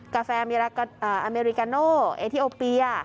กาแฟอเมริกาโนเอธิโอเปีย